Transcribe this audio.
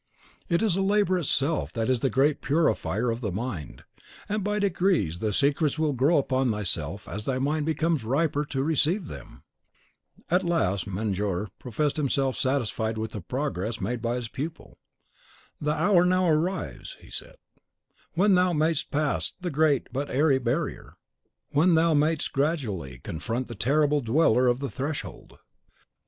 It is labour itself that is the great purifier of the mind; and by degrees the secrets will grow upon thyself as thy mind becomes riper to receive them." At last Mejnour professed himself satisfied with the progress made by his pupil. "The hour now arrives," he said, "when thou mayst pass the great but airy barrier, when thou mayst gradually confront the terrible Dweller of the Threshold.